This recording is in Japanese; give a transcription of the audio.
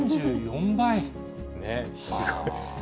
すごい。